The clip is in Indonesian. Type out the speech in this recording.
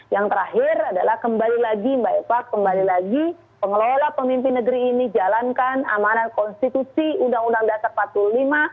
yang terakhir adalah kembali lagi mbak eva kembali lagi pengelola pemimpin negeri ini jalankan amanat konstitusi undang undang dasar empat puluh lima